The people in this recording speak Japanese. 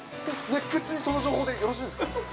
熱ケツに、その情報でよろしいんですか？